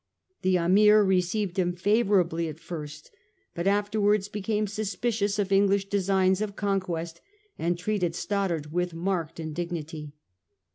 The Ameer received him favourably at first, but afterwards be came suspicious of English designs of conquest, and treated Stoddart with marked indignity.